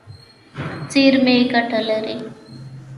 زیرمې ګټه لري.